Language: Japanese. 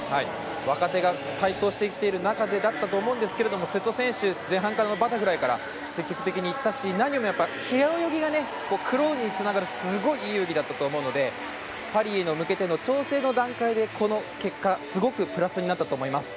若手が台頭してきている中だったと思うんですけど瀬戸選手、前半のバタフライから積極的にいったし何よりも平泳ぎがクロールにつながるすごいいい泳ぎだったと思うのでパリに向けての調整の段階でこの結果、すごくプラスになったと思います。